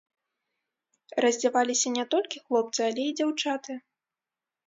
Раздзяваліся не толькі хлопцы, але і дзяўчаты.